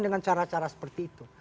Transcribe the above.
dengan cara cara seperti itu